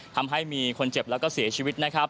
ทำให้มีคนเจ็บแล้วก็เสียชีวิตนะครับ